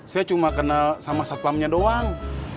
saya cuma kenal sama satpamnya doang